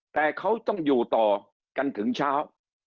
แต่เขาต้องอยู่ต่อกันถึงเช้า